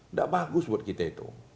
nggak bagus buat kita itu